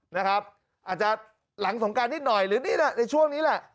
นะครับอาจจะหลังสงการนิดหน่อยหรือนี่แหละในช่วงนี้แหละ